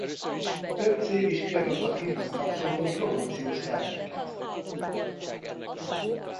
Több cég is kiadott a filmhez kapcsolódó promóciós terméket.